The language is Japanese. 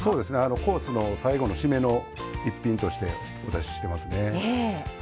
コースの最後の締めの一品としてお出ししてますね。